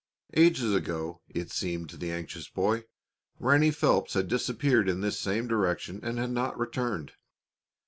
Ages ago, it seemed to the anxious boy, Ranny Phelps had disappeared in this same direction and had not returned.